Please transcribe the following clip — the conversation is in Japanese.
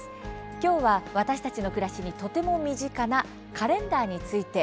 きょうは、私たちの暮らしにとても身近なカレンダーについて。